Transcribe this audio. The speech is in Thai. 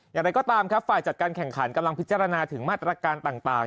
อย่างไรก็ตามครับฝ่ายจัดการแข่งขันกำลังพิจารณาถึงมาตรการต่าง